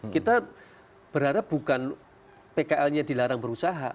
kita berharap bukan pkl nya dilarang berusaha